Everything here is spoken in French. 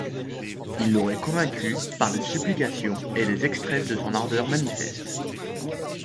Il l'aurait convaincue par des supplications et les extrêmes de son ardeur manifeste.